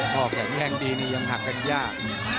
ออกแข็งแข้งดีนี่ยังหักกันยาก